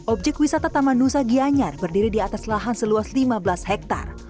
objek wisata taman nusa gianyar berdiri di atas lahan seluas lima belas hektare